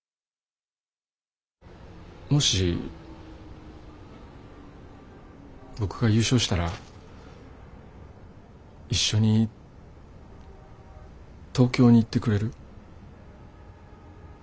もし僕が優勝したら一緒に東京に行ってくれる？